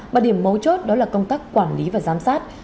và điểm mấu chốt đó là công tác quản lý và giám sát